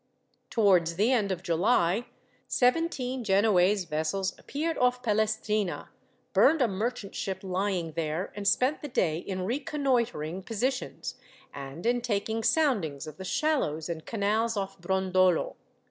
Towards the end of July, seventeen Genoese vessels appeared off Pelestrina, burned a merchant ship lying there, and spent the day in reconnoitring positions, and in taking soundings of the shallows and canals off Brondolo.